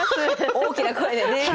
大きな声でね。